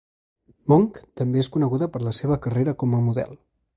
Monk també és coneguda per la seva carrera com a model.